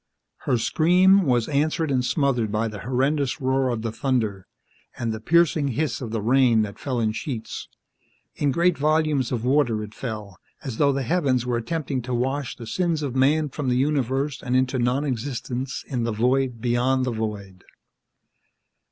Her scream was answered and smothered by the horrendous roar of the thunder, and the piercing hiss of the rain that fell in sheets. In great volumes of water, it fell, as though the heavens were attempting to wash the sins of man from the universe and into non existence in the void beyond the void.